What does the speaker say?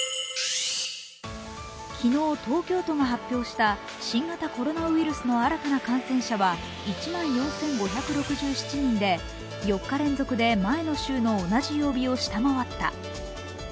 昨日、東京都が発表した新型コロナウイルスの新たな感染者は１万４５６７人で４日連続で前の週の同じ曜日を下回った。